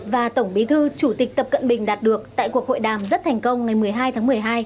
và tổng bí thư chủ tịch tập cận bình đạt được tại cuộc hội đàm rất thành công ngày một mươi hai tháng một mươi hai